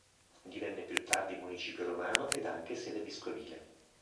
Divenne più tardi Municipio romano ed anche sede vescovile.